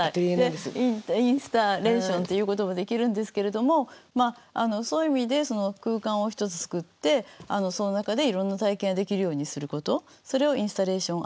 でインスタレーションって言うこともできるんですけれどもそういう意味で空間を一つ作ってその中でいろんな体験ができるようにすることそれをインスタレーション